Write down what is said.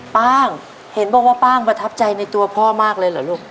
ป้างเห็นบอกว่าป้างประทับใจในตัวพ่อมากเลยเหรอลูก